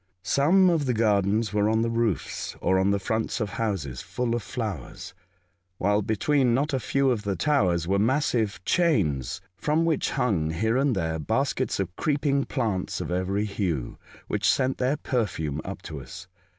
Some of the gardens were on the roofs or on the fronts of houses, full of flowers, while between not a few of the towers were massive chains from which hung, here and there, baskets of creeping plants of every hue, which sent their perfume up to us.